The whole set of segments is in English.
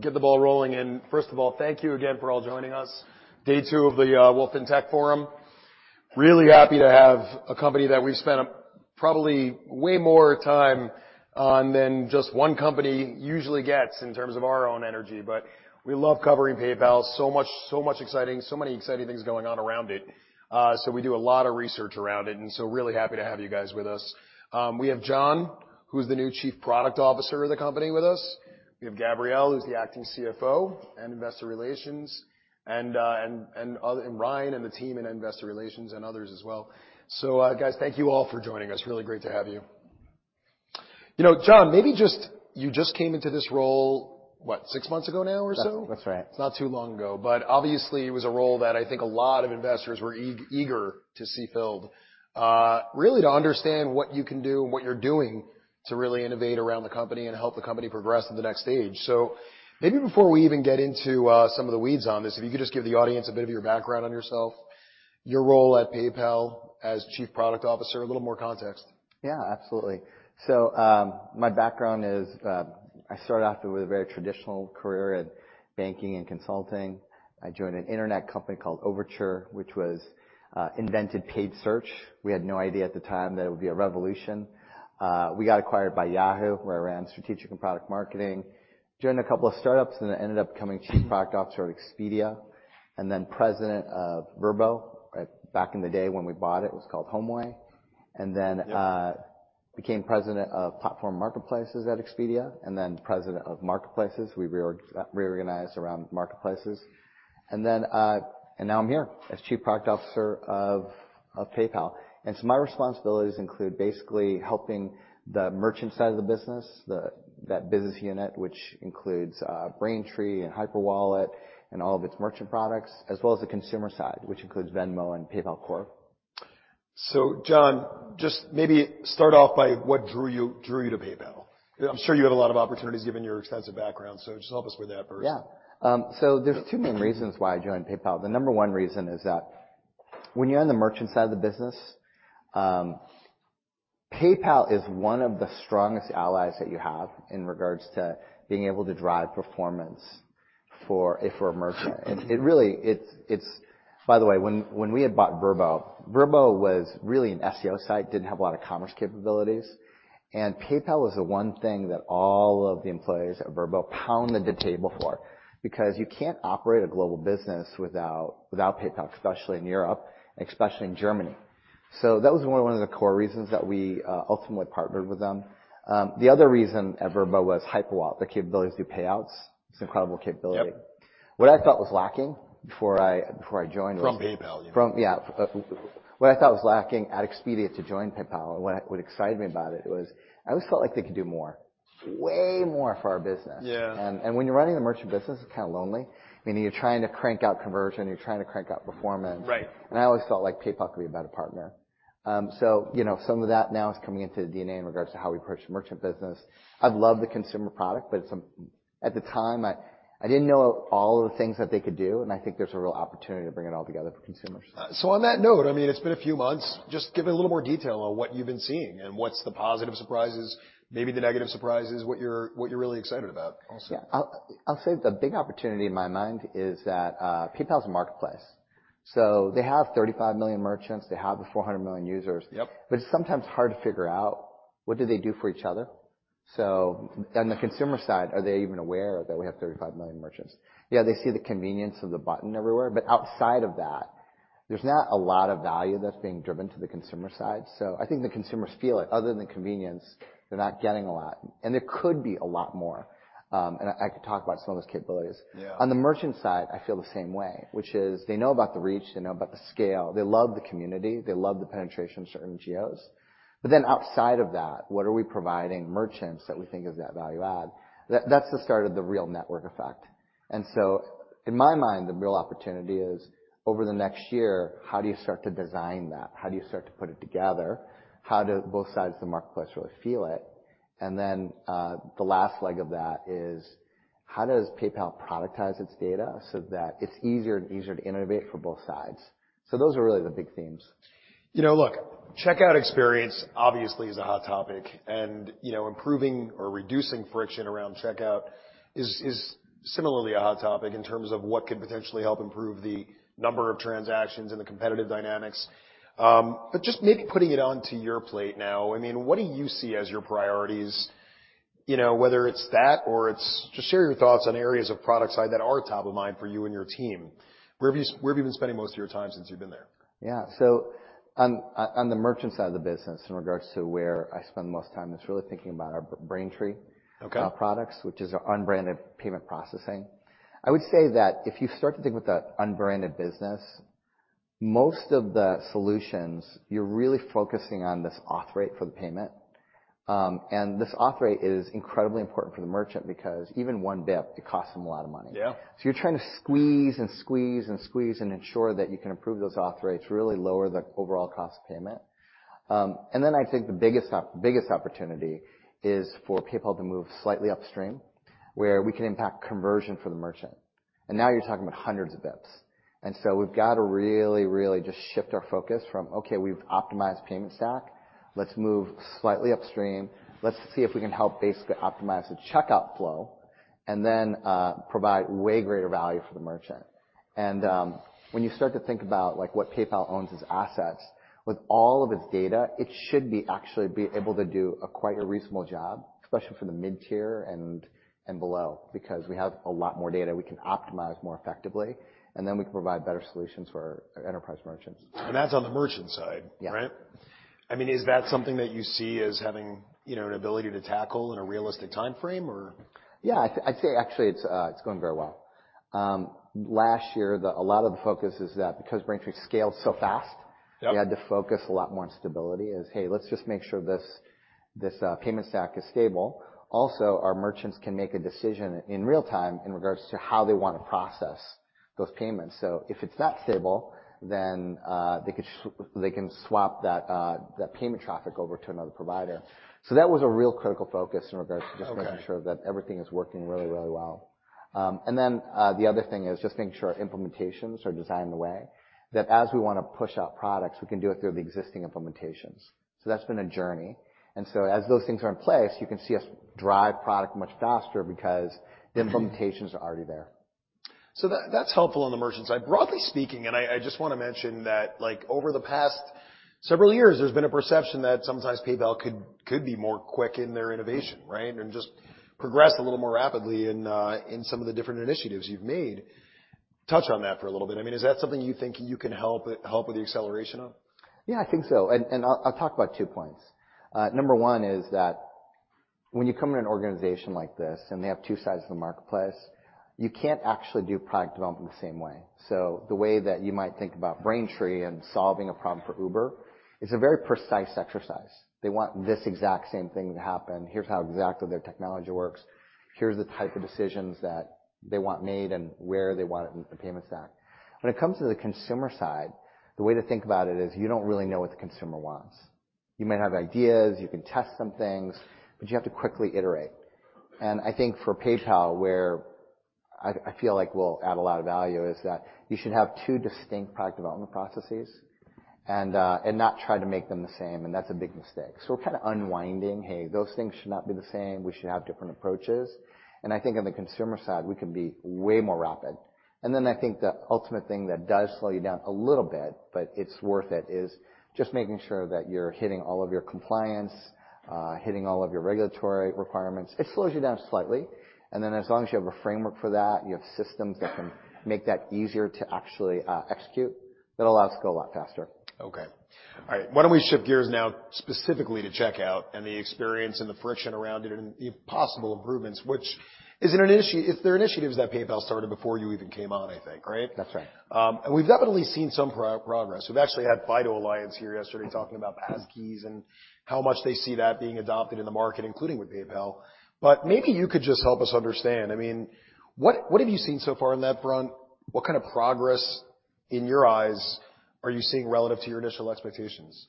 Get the ball rolling. First of all, thank you again for all joining us. Day two of the Wolfe Research FinTech Forum. Really happy to have a company that we've spent probably way more time on than just one company usually gets in terms of our own energy. We love covering PayPal so much, so much exciting, so many exciting things going on around it. We do a lot of research around it, really happy to have you guys with us. We have John, who's the new Chief Product Officer of the company with us. We have Gabrielle, who's the acting CFO and Investor Relations, and Ryan and the team in Investor Relations and others as well. Guys, thank you all for joining us. Really great to have you. You know, John, maybe just... You just came into this role, what, six months ago now or so? That's right. It's not too long ago, but obviously it was a role that I think a lot of investors were eager to see filled, really to understand what you can do and what you're doing to really innovate around the company and help the company progress to the next stage. Maybe before we even get into some of the weeds on this, if you could just give the audience a bit of your background on yourself, your role at PayPal as Chief Product Officer, a little more context. Yeah, absolutely. My background is, I started off with a very traditional career in banking and consulting. I joined an internet company called Overture, which was, invented paid search. We had no idea at the time that it would be a revolution. We got acquired by Yahoo!, where I ran strategic and product marketing, joined a couple of startups, then ended up becoming Chief Product Officer at Expedia, then President of Vrbo. Back in the day when we bought it was called HomeAway. Then, became President of Platform and Marketplaces at Expedia, then President of Marketplaces. We reorganized around marketplaces. Now I'm here as Chief Product Officer of PayPal. Its My responsibilities include basically helping the merchant side of the business, that business unit, which includes Braintree and Hyperwallet and all of its merchant products, as well as the consumer side, which includes Venmo and PayPal core. John, just maybe start off by what drew you to PayPal. I'm sure you had a lot of opportunities given your extensive background, so just help us with that first. There's two main reasons why I joined PayPal. The number one reason is that when you're on the merchant side of the business, PayPal is one of the strongest allies that you have in regards to being able to drive performance for a merchant. By the way, when we had bought Vrbo was really an SEO site, didn't have a lot of commerce capabilities. PayPal was the one thing that all of the employees at Vrbo pounded the table for, because you can't operate a global business without PayPal, especially in Europe, especially in Germany. That was one of the core reasons that we ultimately partnered with them. The other reason at Vrbo was Hyperwallet, the capability to do payouts. It's an incredible capability. Yep. What I thought was lacking before I joined. From PayPal, you mean? From, yeah. What I thought was lacking at Expedia to join PayPal and what excited me about it was I always felt like they could do more, way more for our business. Yeah. When you're running the merchant business, it's kinda lonely, meaning you're trying to crank out conversion, you're trying to crank out performance. Right. I always felt like PayPal could be a better partner. You know, some of that now is coming into the DNA in regards to how we approach the merchant business. I've loved the consumer product, but at the time, I didn't know all the things that they could do, and I think there's a real opportunity to bring it all together for consumers. On that note, I mean, it's been a few months. Just give a little more detail on what you've been seeing and what's the positive surprises, maybe the negative surprises, what you're really excited about also? Yeah. I'll say the big opportunity in my mind is that PayPal is a marketplace. They have 35 million merchants. They have the 400 million users. Yep. It's sometimes hard to figure out what do they do for each other. On the consumer side, are they even aware that we have 35 million merchants? Yeah, they see the convenience of the button everywhere, but outside of that, there's not a lot of value that's being driven to the consumer side. I think the consumers feel it. Other than convenience, they're not getting a lot. There could be a lot more, and I could talk about some of those capabilities. Yeah. On the merchant side, I feel the same way, which is they know about the reach, they know about the scale, they love the community, they love the penetration of certain geos. outside of that, what are we providing merchants that we think is that value add? That's the start of the real network effect. In my mind, the real opportunity is over the next year, how do you start to design that? How do you start to put it together? How do both sides of the marketplace really feel it? Then the last leg of that is how does PayPal productize its data so that it's easier and easier to innovate for both sides? Those are really the big themes. You know, look, checkout experience obviously is a hot topic and, you know, improving or reducing friction around checkout is similarly a hot topic in terms of what could potentially help improve the number of transactions and the competitive dynamics. Just maybe putting it onto your plate now, I mean, what do you see as your priorities? You know, whether it's that or it's just share your thoughts on areas of product side that are top of mind for you and your team. Where have you been spending most of your time since you've been there? Yeah. on the merchant side of the business in regards to where I spend most time is really thinking about our Braintree. Okay. Our products, which is our unbranded Payment Processing. I would say that if you start to think with that unbranded business, most of the solutions, you're really focusing on this authorization rate for the payment. This authorization rate is incredibly important for the merchant because even one dip, it costs them a lot of money. Yeah. You're trying to squeeze and squeeze and squeeze and ensure that you can improve those auth rates, really lower the overall cost of payment. I think the biggest opportunity is for PayPal to move slightly upstream, where we can impact conversion for the merchant. Now you're talking about hundreds of bits. We've got to really, really just shift our focus from, okay, we've optimized payment stack. Let's move slightly upstream. Let's see if we can help basically optimize the checkout flow, provide way greater value for the merchant. When you start to think about, like, what PayPal owns as assets, with all of its data, it should actually be able to do a quite a reasonable job, especially for the mid-tier and below, because we have a lot more data we can optimize more effectively, and then we can provide better solutions for our enterprise merchants. That's on the merchant side, right? Yeah. I mean, is that something that you see as having, you know, an ability to tackle in a realistic timeframe or? Yeah. I'd say actually it's going very well. Last year a lot of the focus is that because Braintree scaled so fast. Yep. We had to focus a lot more on stability as, hey, let's just make sure this payment stack is stable. Our merchants can make a decision in real time in regards to how they want to process those payments. If it's that stable, then they can swap that payment traffic over to another provider. That was a real critical focus in regards to making sure that everything is working really, really well. The other thing is just making sure our implementations are designed in a way that as we wanna push out products, we can do it through the existing implementations. That's been a journey. As those things are in place, you can see us drive product much faster because the implementations are already there. That's helpful on the merchant side. Broadly speaking, I just wanna mention that like over the past several years, there's been a perception that sometimes PayPal could be more quick in their innovation, right? And just progress a little more rapidly in some of the different initiatives you've made. Touch on that for a little bit. I mean, is that something you think you can help with the acceleration of? Yeah, I think so. I'll talk about two points. Number one is that when you come in an organization like this, and they have two sides of the marketplace, you can't actually do product development the same way. The way that you might think about Braintree and solving a problem for Uber is a very precise exercise. They want this exact same thing to happen. Here's how exactly their technology works. Here's the type of decisions that they want made and where they want it in the payment stack. When it comes to the consumer side, the way to think about it is you don't really know what the consumer wants. You might have ideas, you can test some things, you have to quickly iterate. I think for PayPal, where I feel like we'll add a lot of value, is that you should have two distinct product development processes and not try to make them the same, and that's a big mistake. We're kinda unwinding, hey, those things should not be the same. We should have different approaches. I think on the consumer side, we can be way more rapid. I think the ultimate thing that does slow you down a little bit, but it's worth it, is just making sure that you're hitting all of your compliance, hitting all of your regulatory requirements. It slows you down slightly, and then as long as you have a framework for that, you have systems that can make that easier to actually execute, it allows to go a lot faster. Okay. All right. Why don't we shift gears now specifically to checkout and the experience and the friction around it and the possible improvements, which is initiatives that PayPal started before you even came on, I think, right? That's right. We've definitely seen some progress. We've actually had FIDO Alliance here yesterday talking about passkeys and how much they see that being adopted in the market, including with PayPal. Maybe you could just help us understand. I mean, what have you seen so far on that front? What kind of progress, in your eyes, are you seeing relative to your initial expectations?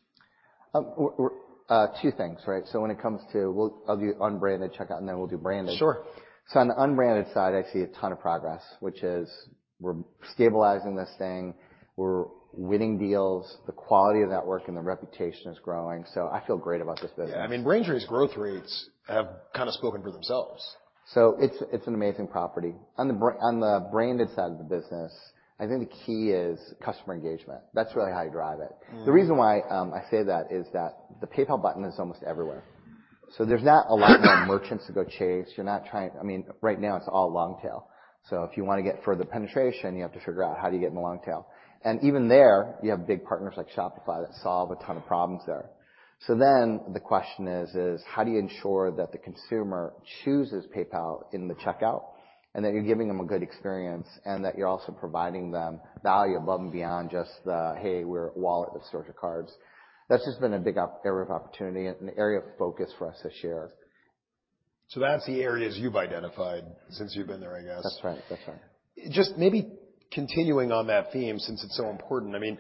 Two things, right? I'll do unbranded checkout, and then we'll do branded. Sure. On the unbranded side, I see a ton of progress, which is we're stabilizing this thing. We're winning deals. The quality of the network and the reputation is growing. I feel great about this business. Yeah. I mean, Braintree's growth rates have kinda spoken for themselves. It's an amazing property. On the branded side of the business, I think the key is customer engagement. That's really how you drive it. The reason why, I say that is that the PayPal Button is almost everywhere. There's not a lot more merchants to go chase. I mean, right now it's all long tail. If you wanna get further penetration, you have to figure out how do you get in the long tail. Even there, you have big partners like Shopify that solve a ton of problems there. The question is how do you ensure that the consumer chooses PayPal in the checkout, and that you're giving them a good experience, and that you're also providing them value above and beyond just the, "Hey, we're a wallet with sorts of cards." That's just been a big area of opportunity and an area of focus for us this year. That's the areas you've identified since you've been there, I guess? That's right. That's right. Just maybe continuing on that theme since it's so important. I mean,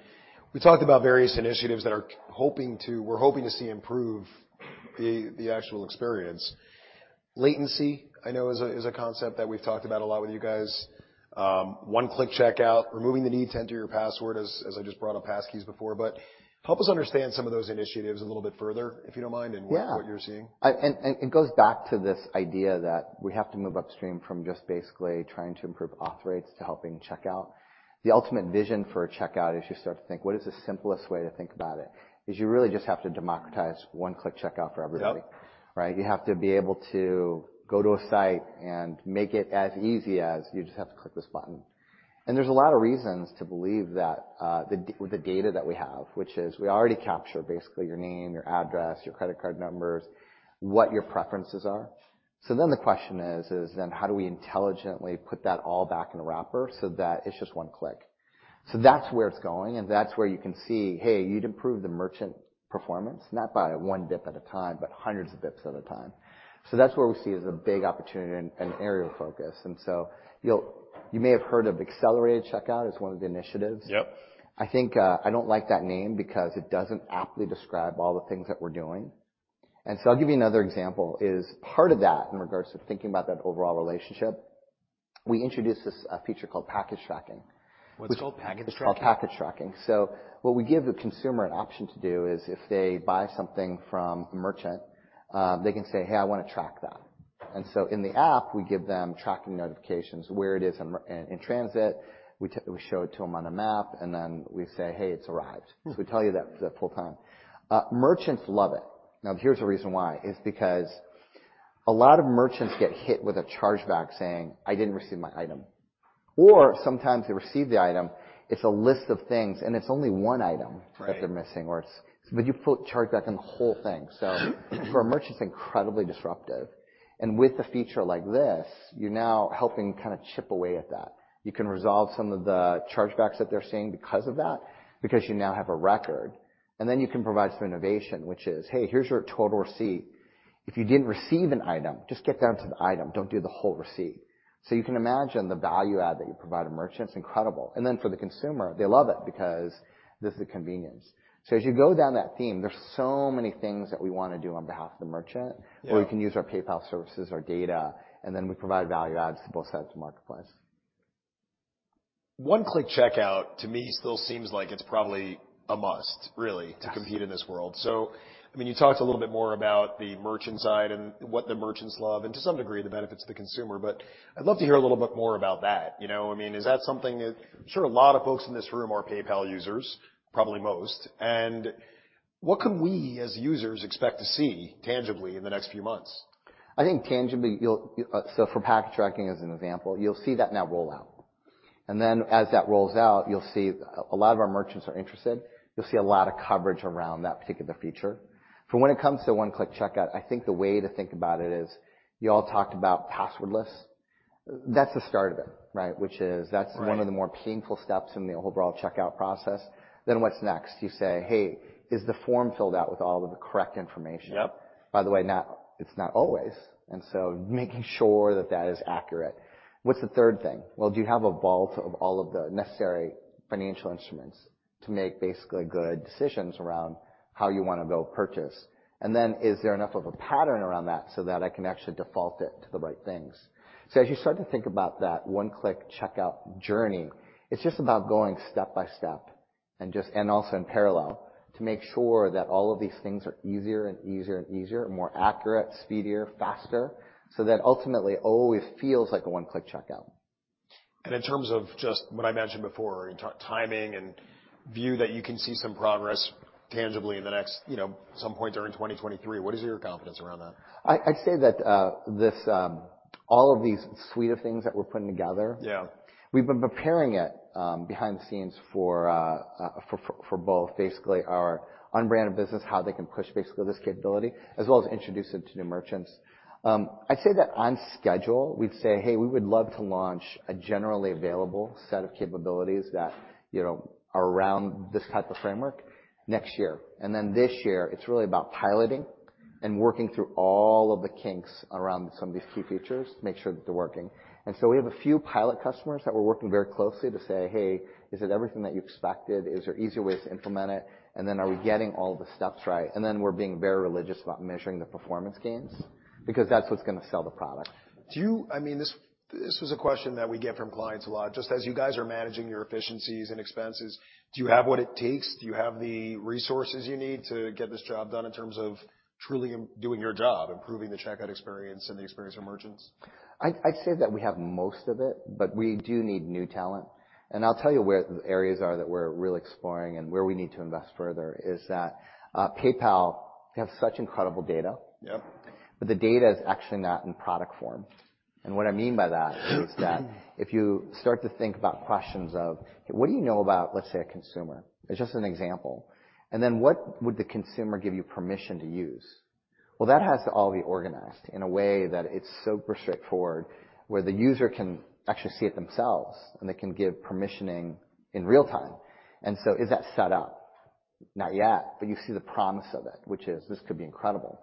we talked about various initiatives that we're hoping to see improve the actual experience. Latency, I know is a concept that we've talked about a lot with you guys. One-Click Checkout, removing the need to enter your password as I just brought up passkeys before. Help us understand some of those initiatives a little bit further, if you don't mind. Yeah. What you're seeing. It goes back to this idea that we have to move upstream from just basically trying to improve auth rates to helping checkout. The ultimate vision for a checkout is you start to think, what is the simplest way to think about it? Is you really just have to democratize One-Click Checkout for everybody. Yep. Right? You have to be able to go to a site and make it as easy as you just have to click this button. There's a lot of reasons to believe that the data that we have, which is we already capture basically your name, your address, your credit card numbers, what your preferences are. The question is, how do we intelligently put that all back in a wrapper so that it's just one-click? That's where it's going, and that's where you can see, hey, you'd improve the merchant performance, not by one dip at a time, but hundreds of dips at a time. That's where we see is a big opportunity and area of focus. You may have heard of accelerated checkout as one of the initiatives. Yep. I think, I don't like that name because it doesn't aptly describe all the things that we're doing. I'll give you another example, is part of that in regards to thinking about that overall relationship, we introduced this, a feature called Package Tracking. What's it called? Package Tracking? It's called Package Tracking. What we give the consumer an option to do is if they buy something from a merchant, they can say, "Hey, I wanna track that." In the app, we give them tracking notifications where it is in transit. We show it to them on a map, and then we say, "Hey, it's arrived. We tell you that the full time. Merchants love it. Here's the reason why, is because a lot of merchants get hit with a chargeback saying, "I didn't receive my item." Sometimes they receive the item, it's a list of things, and it's only one item that they're missing or you put chargeback on the whole thing. For a merchant, it's incredibly disruptive. With the feature like this, you're now helping kind of chip away at that. You can resolve some of the chargebacks that they're seeing because of that, because you now have a record, you can provide some innovation, which is, "Hey, here's your total receipt. If you didn't receive an item, just get down to the item. Don't do the whole receipt." You can imagine the value add that you provide a merchant's incredible. For the consumer, they love it because this is the convenience. As you go down that theme, there's so many things that we want to do on behalf of the merchant where we can use our PayPal services, our data, and then we provide value adds to both sides of the marketplace. One-Click Checkout, to me, still seems like it's probably a must, really to compete in this world. I mean, you talked a little bit more about the merchant side and what the merchants love, and to some degree, the benefits to the consumer, but I'd love to hear a little bit more about that, you know. I mean, is that something that I'm sure a lot of folks in this room are PayPal users, probably most, and what can we as users expect to see tangibly in the next few months? I think tangibly. So for Package Tracking as an example, you'll see that now roll out. As that rolls out, you'll see a lot of our merchants are interested. You'll see a lot of coverage around that particular feature. For when it comes to One-Click Checkout, I think the way to think about it is you all talked about passwordless. That's the start of it, right? Which is that's one of the more painful steps in the overall checkout process. What's next? You say, "Hey, is the form filled out with all of the correct information? Yep. By the way, not, it's not always. Making sure that that is accurate. What's the third thing? Well, do you have a vault of all of the necessary financial instruments to make basically good decisions around how you wanna go purchase? Is there enough of a pattern around that so that I can actually default it to the right things? As you start to think about that One-Click Checkout journey, it's just about going step by step and also in parallel to make sure that all of these things are easier and easier and easier and more accurate, speedier, faster, so that ultimately, oh, it feels like a One-Click Checkout. In terms of just what I mentioned before, timing and view that you can see some progress tangibly in the next, you know, some point during 2023, what is your confidence around that? I'd say that this all of these suite of things that we're putting together Yeah We've been preparing it, behind the scenes for both basically our unbranded business, how they can push basically this capability, as well as introduce it to new merchants. I'd say that on schedule, we'd say, "Hey, we would love to launch a generally available set of capabilities that, you know, are around this type of framework next year." This year, it's really about piloting and working through all of the kinks around some of these key features to make sure that they're working. So we have a few pilot customers that we're working very closely to say, "Hey, is it everything that you expected? Is there easier ways to implement it? Are we getting all the steps right?" We're being very religious about measuring the performance gains because that's what's gonna sell the product. I mean, this was a question that we get from clients a lot. Just as you guys are managing your efficiencies and expenses, do you have what it takes? Do you have the resources you need to get this job done in terms of truly doing your job, improving the checkout experience and the experience for merchants? I'd say that we have most of it, but we do need new talent. I'll tell you where the areas are that we're really exploring and where we need to invest further, is that PayPal has such incredible data. Yep. The data is actually not in product form. What I mean by that is that if you start to think about questions of, what do you know about, let's say, a consumer? It's just an example. What would the consumer give you permission to use? Well, that has to all be organized in a way that it's super straightforward, where the user can actually see it themselves, and they can give permissioning in real time. Is that set up? Not yet, but you see the promise of it, which is this could be incredible.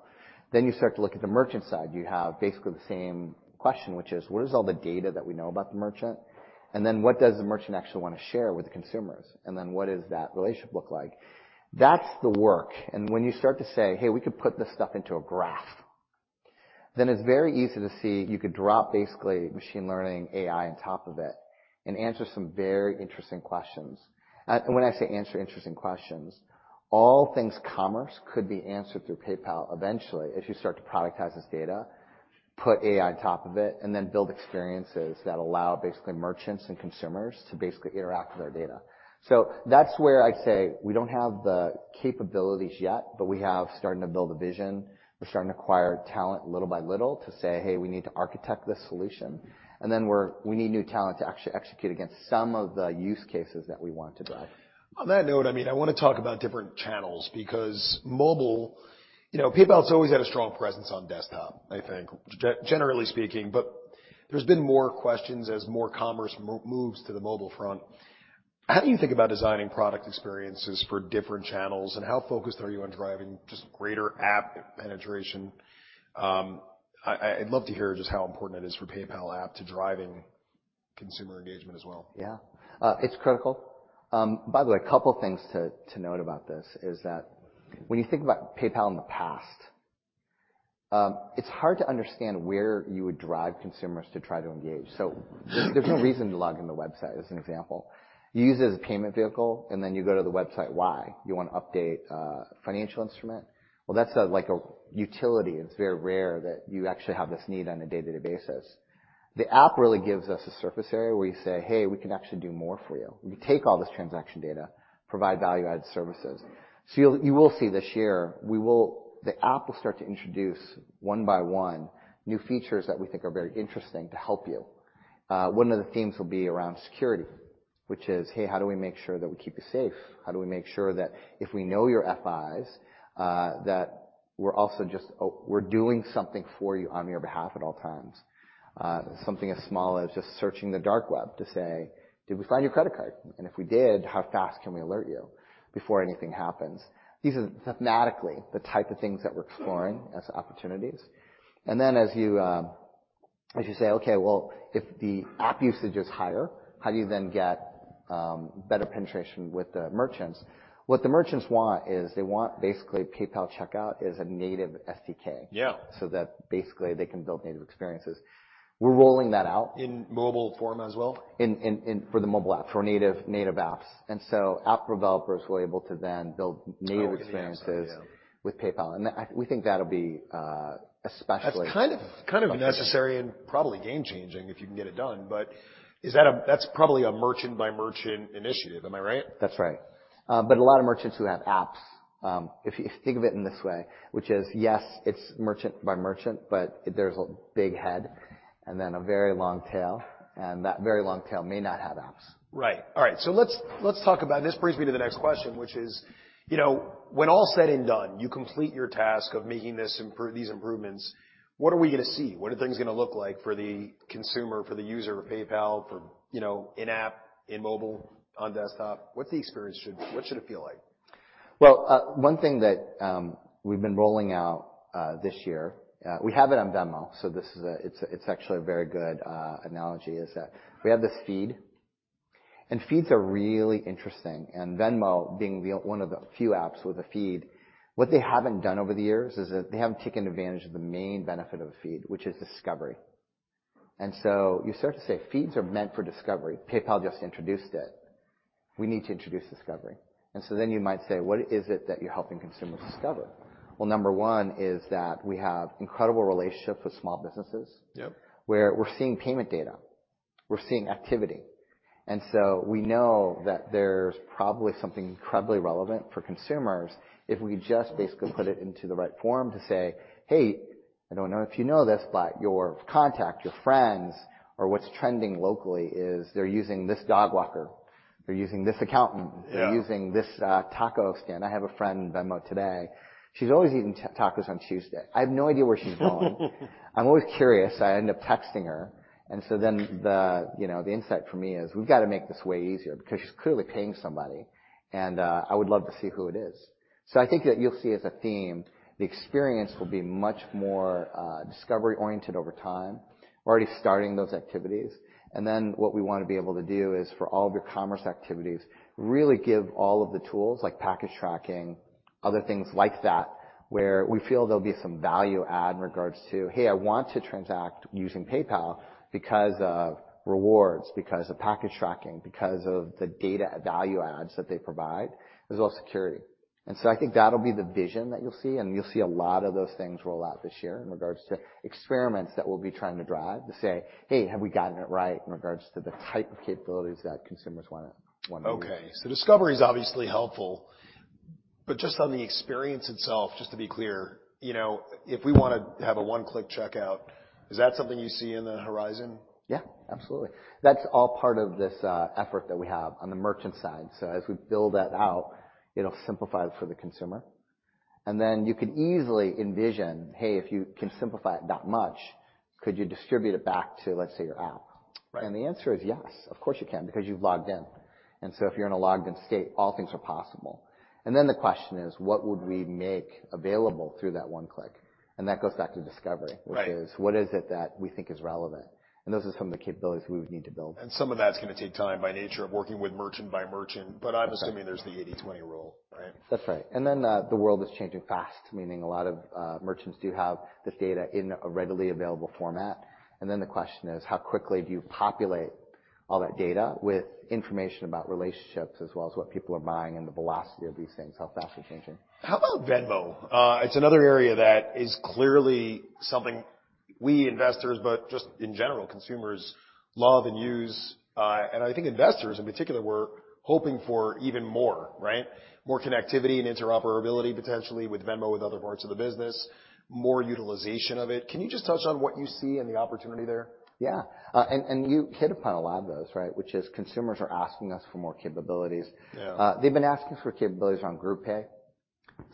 You start to look at the merchant side. You have basically the same question, which is: where is all the data that we know about the merchant? What does the merchant actually wanna share with the consumers? What does that relationship look like? That's the work. When you start to say, "Hey, we could put this stuff into a graph," then it's very easy to see you could drop basically machine learning, AI on top of it and answer some very interesting questions. When I say answer interesting questions, all things commerce could be answered through PayPal eventually, if you start to productize this data, put AI on top of it, and then build experiences that allow basically merchants and consumers to basically interact with their data. That's where I'd say we don't have the capabilities yet, but we have starting to build a vision. We're starting to acquire talent little by little to say, "Hey, we need to architect this solution." Then we need new talent to actually execute against some of the use cases that we want to drive. On that note, I mean, I wanna talk about different channels because mobile, you know, PayPal's always had a strong presence on desktop, I think, generally speaking, but there's been more questions as more commerce moves to the mobile front. How do you think about designing product experiences for different channels, and how focused are you on driving just greater app penetration? I'd love to hear just how important it is for PayPal app to driving consumer engagement as well. Yeah. It's critical. By the way, a couple things to note about this is that when you think about PayPal in the past, it's hard to understand where you would drive consumers to try to engage. There's no reason to log into the website, as an example. You use it as a payment vehicle, and then you go to the website, why? You wanna update a financial instrument. Well, that's like a utility. It's very rare that you actually have this need on a day-to-day basis. The app really gives us a surface area where you say, "Hey, we can actually do more for you." We take all this transaction data, provide value-added services. You will see this year, the app will start to introduce one by one new features that we think are very interesting to help you. One of the themes will be around security, which is, hey, how do we make sure that we keep you safe? How do we make sure that if we know your FIs, that we're also doing something for you on your behalf at all times. Something as small as just searching the dark web to say, "Did we find your credit card? And if we did, how fast can we alert you before anything happens?" These are thematically the type of things that we're exploring as opportunities. Then as you say, "Okay, well, if the app usage is higher, how do you then get better penetration with the merchants?" What the merchants want is they want basically PayPal Checkout as a native SDK. Yeah. That basically they can build native experiences. We're rolling that out. In mobile form as well? In for the mobile app, for native apps. App developers were able to then build native experiences with PayPal. We think that'll be especially- That's kind of necessary and probably game changing if you can get it done. That's probably a merchant by merchant initiative, am I right? That's right. A lot of merchants who have apps, if you think of it in this way, which is, yes, it's merchant by merchant, but there's a big head and then a very long tail, and that very long tail may not have apps. Right. All right. Let's. This brings me to the next question, which is, you know, when all said and done, you complete your task of making these improvements, what are we gonna see? What are things gonna look like for the consumer, for the user of PayPal, for, you know, in app, in mobile, on desktop? What should it feel like? Well, one thing that we've been rolling out this year, we have it on Venmo. So this is it's actually a very good analogy, is that we have this feed. Feeds are really interesting. Venmo being one of the few apps with a feed, what they haven't done over the years is that they haven't taken advantage of the main benefit of a feed, which is discovery. You start to say, feeds are meant for discovery. PayPal just introduced it. We need to introduce discovery. You might say, "What is it that you're helping consumers discover?" Well, number one is that we have incredible relationships with small businesses. Yep. Where we're seeing payment data, we're seeing activity. We know that there's probably something incredibly relevant for consumers if we just basically put it into the right form to say, "Hey, I don't know if you know this, but your contact, your friends, or what's trending locally is they're using this dog walker, they're using his accountant. Yeah. They're using this taco stand." I have a friend in Venmo today. She's always eating tacos on Tuesday. I have no idea where she's going. I'm always curious, I end up texting her. The, you know, the insight for me is, we've gotta make this way easier because she's clearly paying somebody, and I would love to see who it is. I think that you'll see as a theme, the experience will be much more discovery-oriented over time. We're already starting those activities. What we wanna be able to do is for all of your commerce activities, really give all of the tools like Package Tracking, other things like that, where we feel there'll be some value add in regards to, hey, I want to transact using PayPal because of rewards, because of Package Tracking, because of the data value adds that they provide. There's all security. I think that'll be the vision that you'll see, and you'll see a lot of those things roll out this year in regards to experiments that we'll be trying to drive to say, "Hey, have we gotten it right in regards to the type of capabilities that consumers wanna use? Okay. Discovery is obviously helpful. Just on the experience itself, just to be clear, you know, if we wanna have a One-Click Checkout, is that something you see in the horizon? Yeah, absolutely. That's all part of this effort that we have on the merchant side. As we build that out, it'll simplify it for the consumer. You could easily envision, hey, if you can simplify it that much, could you distribute it back to, let's say, your app? Right. The answer is, yes, of course, you can because you've logged in. If you're in a logged in state, all things are possible. Then the question is, what would we make available through that one-click? That goes back to discovery. Right Which is, what is it that we think is relevant? Those are some of the capabilities we would need to build. Some of that's gonna take time by nature of working with merchant by merchant. Okay. I'm assuming there's the 80/20 rule, right? That's right. The world is changing fast, meaning a lot of merchants do have this data in a readily available format. The question is, how quickly do you populate all that data with information about relationships as well as what people are buying and the velocity of these things, how fast they're changing? How about Venmo? It's another area that is clearly something we investors, but just in general, consumers love and use. I think investors in particular were hoping for even more, right? More connectivity and interoperability potentially with Venmo, with other parts of the business, more utilization of it. Can you just touch on what you see and the opportunity there? Yeah. You hit upon a lot of those, right, which is consumers are asking us for more capabilities. Yeah. They've been asking for capabilities on group pay.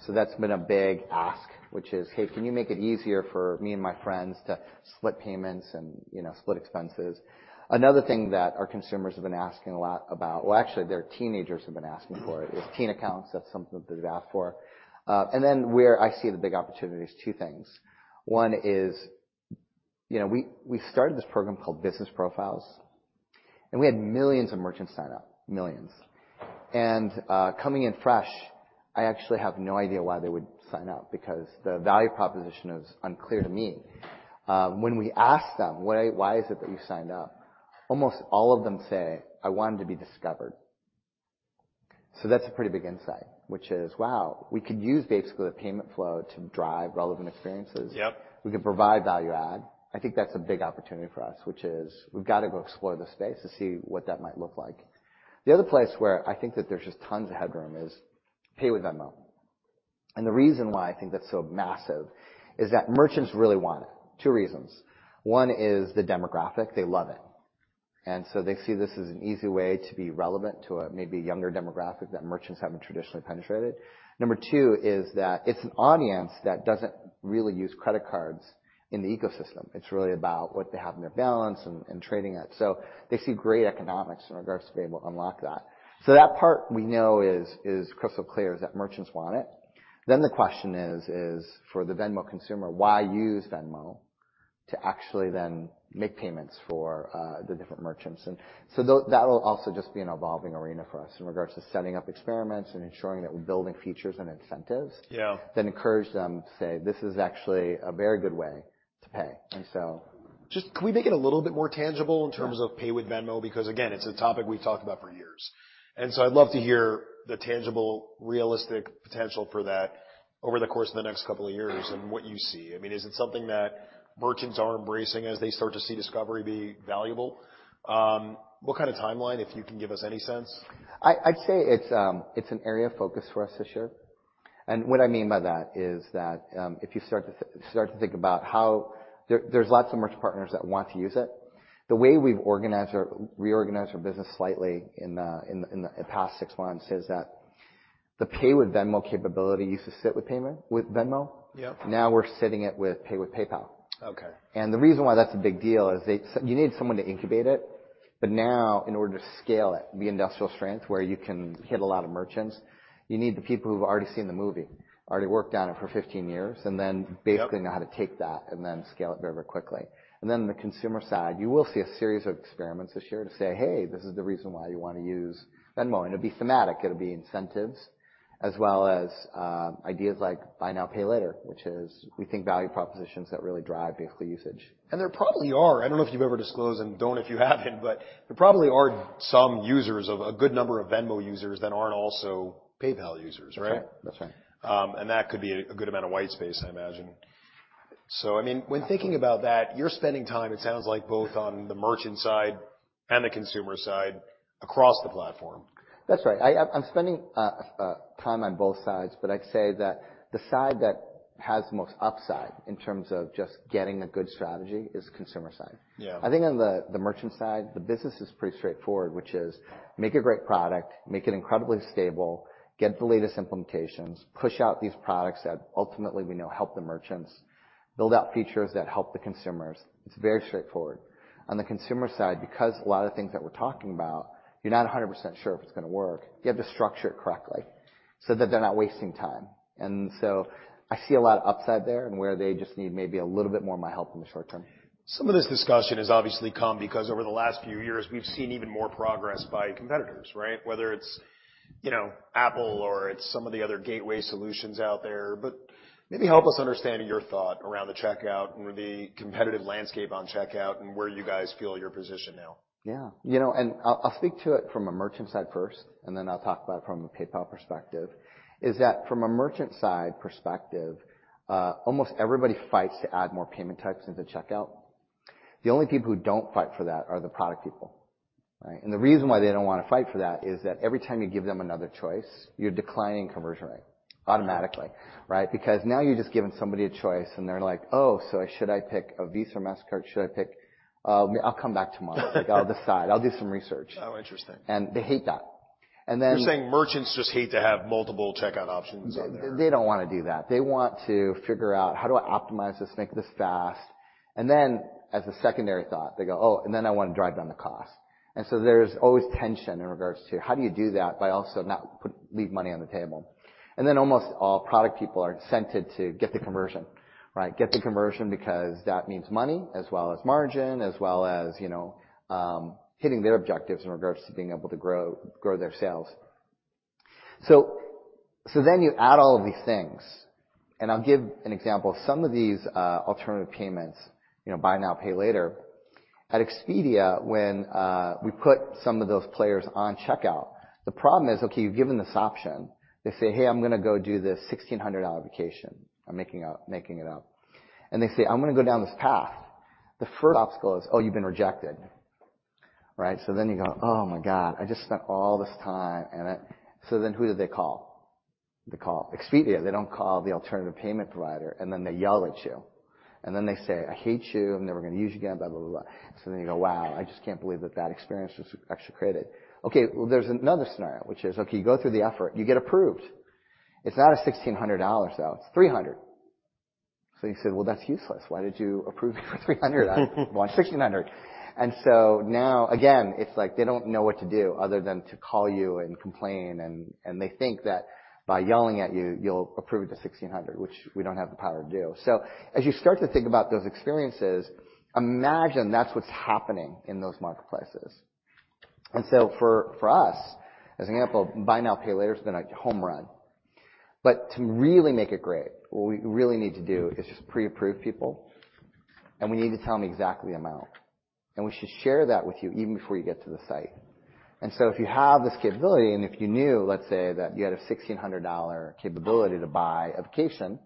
That's been a big ask, which is, "Hey, can you make it easier for me and my friends to split payments and, you know, split expenses?" Another thing that our consumers have been asking a lot about, well, actually, their teenagers have been asking for is teen accounts. That's something that they've asked for. Then where I see the big opportunity is two things. One is, you know, we started this program called Business Profiles. We had millions of merchants sign up, millions. Coming in fresh, I actually have no idea why they would sign up because the value proposition is unclear to me. When we ask them, "Why, why is it that you signed up?" Almost all of them say, "I wanted to be discovered." That's a pretty big insight, which is, wow, we could use basically the payment flow to drive relevant experiences. Yep. We can provide value add. I think that's a big opportunity for us, which is we've got to go explore the space to see what that might look like. The other place where I think that there's just tons of headroom is Pay with Venmo. The reason why I think that's so massive is that merchants really want it. Two reasons. One is the demographic. They love it. They see this as an easy way to be relevant to a maybe younger demographic that merchants haven't traditionally penetrated. Number two is that it's an audience that doesn't really use credit cards in the ecosystem. It's really about what they have in their balance and trading it. They see great economics in regards to being able to unlock that. That part we know is crystal clear, is that merchants want it. The question is for the Venmo consumer, why use Venmo to actually then make payments for the different merchants? That will also just be an evolving arena for us in regards to setting up experiments and ensuring that we're building features and incentives that encourage them to say, "This is actually a very good way to pay. Just can we make it a little bit more tangible in terms of Pay with Venmo? Again, it's a topic we've talked about for years, I'd love to hear the tangible, realistic potential for that over the course of the next couple of years and what you see. I mean, is it something that merchants are embracing as they start to see discovery be valuable? What kind of timeline, if you can give us any sense? I'd say it's an area of focus for us this year. What I mean by that is that if you start to think about how there's lots of merchant partners that want to use it. The way we've reorganized our business slightly in the past 6 months is that the Pay with Venmo capability used to sit with Venmo. Yep. Now we're sitting it with Pay with PayPal. Okay. The reason why that's a big deal is you need someone to incubate it. Now in order to scale it, the industrial strength where you can hit a lot of merchants, you need the people who've already seen the movie, already worked on it for 15 years, know how to take that and then scale it very quickly. The consumer side, you will see a series of experiments this year to say, "Hey, this is the reason why you want to use Venmo." It'll be thematic, it'll be incentives, as well as, ideas like Buy Now, Pay Later, which is we think value propositions that really drive basically usage. There probably are. I don't know if you've ever disclosed and don't if you haven't, but there probably are some users of a good number of Venmo users that aren't also PayPal users, right? That's right. That's right. That could be a good amount of white space, I imagine. I mean, when thinking about that, you're spending time, it sounds like, both on the merchant side and the consumer side across the platform. That's right. I'm spending time on both sides, but I'd say that the side that has the most upside in terms of just getting a good strategy is consumer side. Yeah. I think on the merchant side, the business is pretty straightforward, which is make a great product, make it incredibly stable, get the latest implementations, push out these products that ultimately we know help the merchants build out features that help the consumers. It's very straightforward. On the consumer side, because a lot of the things that we're talking about, you're not 100% sure if it's gonna work, you have to structure it correctly so that they're not wasting time. I see a lot of upside there and where they just need maybe a little bit more of my help in the short term. Some of this discussion has obviously come because over the last few years we've seen even more progress by competitors, right? Whether it's, you know, Apple or it's some of the other gateway solutions out there. Maybe help us understand your thought around the checkout and the competitive landscape on checkout and where you guys feel your position now. Yeah. You know, I'll speak to it from a merchant side first, and then I'll talk about it from a PayPal perspective. Is that from a merchant side perspective, almost everybody fights to add more payment types into checkout. The only people who don't fight for that are the product people, right? The reason why they don't wanna fight for that is that every time you give them another choice, you're declining conversion rate automatically, right? Because now you're just giving somebody a choice and they're like, "Oh, so should I pick a Visa, Mastercard? Should I pick, I'll come back tomorrow. Like, I'll decide, I'll do some research. Oh, interesting. They hate that. You're saying merchants just hate to have multiple checkout options on there. They don't wanna do that. They want to figure out, how do I optimize this, make this fast. As a secondary thought, they go, "Oh, and then I wanna drive down the cost." There's always tension in regards to how do you do that by also not leave money on the table. Almost all product people are incented to get the conversion, right? Get the conversion because that means money as well as margin, as well as, you know, hitting their objectives in regards to being able to grow their sales. You add all of these things, and I'll give an example. Some of these alternative payments, you know, Buy Now, Pay Later. At Expedia, when we put some of those players on checkout, the problem is, okay, you've given this option. They say, "Hey, I'm gonna go do this $1,600 vacation." I'm making it up. They say, "I'm gonna go down this path." The first obstacle is, oh, you've been rejected, right? You go, "Oh my God, I just spent all this time and I..." Who do they call? They call Expedia. They don't call the alternative payment provider, and then they yell at you, and then they say, "I hate you. I'm never gonna use you again, blah, blah." You go, "Wow, I just can't believe that that experience was actually created." Well, there's another scenario which is, you go through the effort, you get approved. It's not a $1,600, though, it's $300. You say, "Well, that's useless. Why did you approve me for $300? I want $1,600." Now again, it's like they don't know what to do other than to call you and complain, and they think that by yelling at you'll approve the $1,600, which we don't have the power to do. As you start to think about those experiences, imagine that's what's happening in those marketplaces. For us, as an example, Buy Now, Pay Later has been a home run. To really make it great, what we really need to do is just pre-approve people, and we need to tell them exactly the amount, and we should share that with you even before you get to the site. If you have this capability, and if you knew, let's say, that you had a $1,600 capability to buy a vacation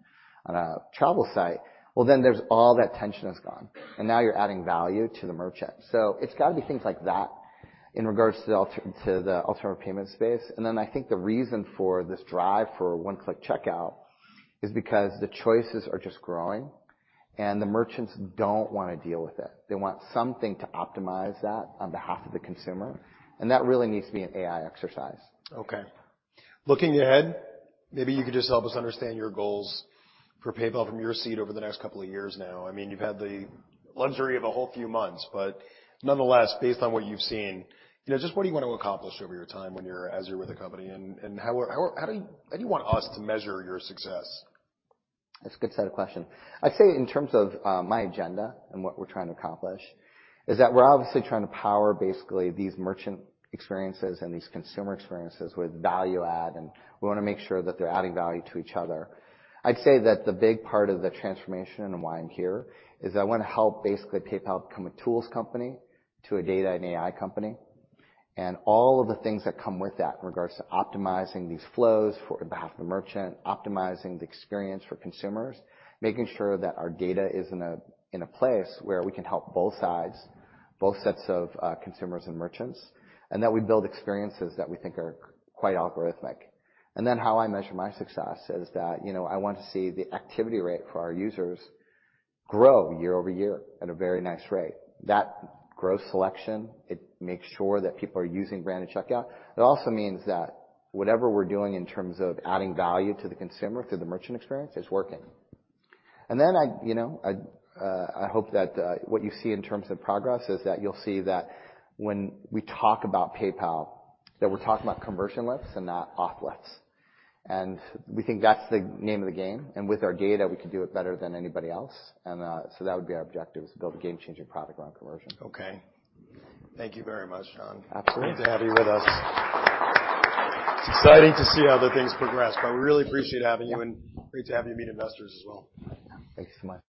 on a travel site, well, then there's all that tension is gone, and now you're adding value to the merchant. It's gotta be things like that in regards to the alternative payment space. I think the reason for this drive for One-Click Checkout is because the choices are just growing, and the merchants don't wanna deal with it. They want something to optimize that on behalf of the consumer, and that really needs to be an AI exercise. Looking ahead, maybe you could just help us understand your goals for PayPal from your seat over the next couple of years now. I mean, you've had the luxury of a whole few months. Nonetheless, based on what you've seen, you know, just what do you want to accomplish over your time as you're with the company, and how do you want us to measure your success? That's a good set of question. I'd say in terms of my agenda and what we're trying to accomplish is that we're obviously trying to power basically these merchant experiences and these consumer experiences with value add. We wanna make sure that they're adding value to each other. I'd say that the big part of the transformation and why I'm here is I wanna help basically PayPal become a tools company to a data and AI company. All of the things that come with that in regards to optimizing these flows for behalf of the merchant, optimizing the experience for consumers, making sure that our data is in a place where we can help both sides, both sets of consumers and merchants, and that we build experiences that we think are quite algorithmic. How I measure my success is that, you know, I want to see the activity rate for our users grow year-over-year at a very nice rate. That growth selection, it makes sure that people are using branded checkout. It also means that whatever we're doing in terms of adding value to the consumer through the merchant experience is working. I, you know, I hope that what you see in terms of progress is that you'll see that when we talk about PayPal, that we're talking about conversion lifts and not auth lifts. We think that's the name of the game, and with our data, we can do it better than anybody else. That would be our objective is to build a game-changing product around conversion. Okay. Thank you very much, John. Absolutely. Great to have you with us. It's exciting to see how the things progress. I really appreciate having you. Great to have you meet investors as well. Thank you so much.